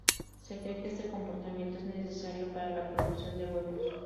Se cree que este comportamiento es necesario para la producción de huevos.